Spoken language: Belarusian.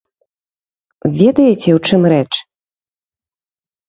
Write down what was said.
Ведаеце, у чым рэч?